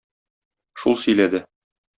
Шул сөйләде.